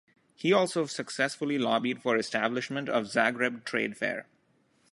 He also successfully lobbied for establishment of Zagreb trade fair.